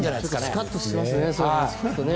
スカッとしますね